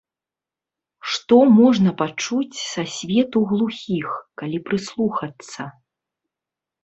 Што можна пачуць са свету глухіх, калі прыслухацца?